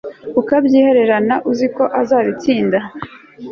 ukabyihererana uzi ko uzabitsinda